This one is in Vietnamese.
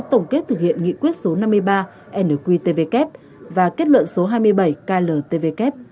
tổng kết thực hiện nghị quyết số năm mươi ba nqtvk và kết luận số hai mươi bảy kltvk